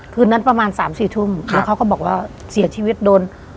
คืนนั้นประมาณสามสี่ทุ่มแล้วเขาก็บอกว่าเสียชีวิตโดน